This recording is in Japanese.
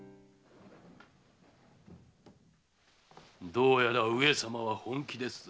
どうやら上様は本気ですぞ。